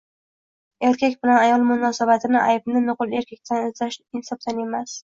Erkak bilan ayol munosabatida aybni nuqul erkakdan izlash insofdan emas.